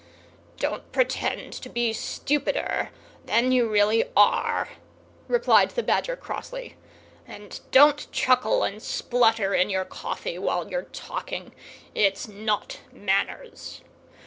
"Don't pretend to be stupider than you really are," replied the Badger, crossly; "and don't chuckle and splutter in your coffee while you're talking; it's not manners.